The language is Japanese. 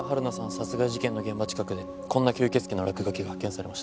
殺害事件の現場近くでこんな吸血鬼の落書きが発見されました。